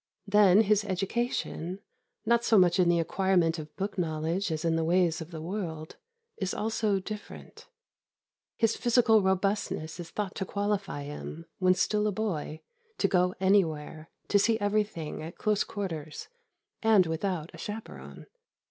Then his education, not so much in the acquirement of book knowledge as in the ways of the world, is also different. His physical robustness is thought to qualify him, when still a boy, to go anywhere, to see everything at close quarters, and without a chaperone.